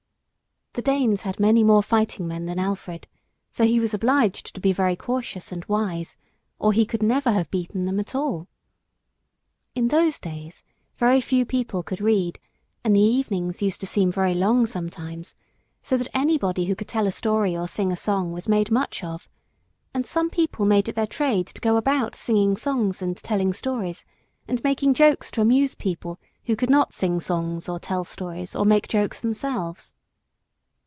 "] The Danes had many more fighting men than Alfred; so he was obliged to be very cautious and wise, or he could never have beaten them at all. In those days very few people could read; and the evenings used to seem very long sometimes, so that anybody who could tell a story or sing a song was made much of, and some people made it their trade to go about singing songs and telling stories and making jokes to amuse people who could not sing songs or tell stories or make jokes themselves.